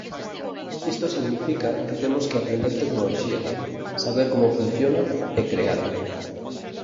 Isto significa que temos que aprender tecnoloxía, saber como funciona e creala.